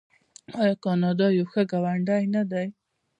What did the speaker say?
آیا کاناډا یو ښه ګاونډی نه دی؟